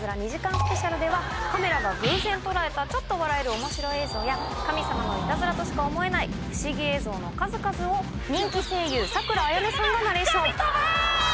ＳＰではカメラが偶然捉えたちょっと笑えるおもしろ映像や神様のイタズラとしか思えない不思議映像の数々を人気声優佐倉綾音さんがナレーション。